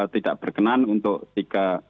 tidak berkenan untuk tiga